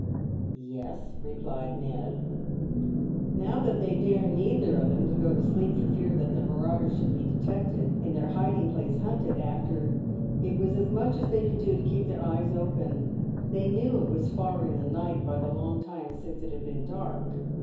"Yes," replied Ned. Now that they dare neither of them go to sleep for fear that the marauder should be detected and their hiding place hunted after, it was as much as they could do to keep their eyes open. They knew it was far in the night by the long time since it had been dark.